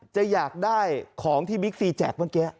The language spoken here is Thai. จะอยากได้ของที่บิ๊กซีแจกเมื่อกี้